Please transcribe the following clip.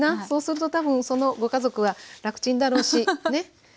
そうすると多分そのご家族は楽ちんだろうしね。